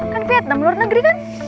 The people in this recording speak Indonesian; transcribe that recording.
kan vietnam luar negeri kan